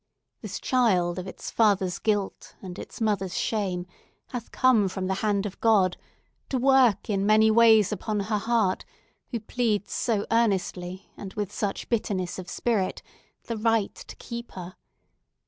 This child of its father's guilt and its mother's shame has come from the hand of God, to work in many ways upon her heart, who pleads so earnestly and with such bitterness of spirit the right to keep her.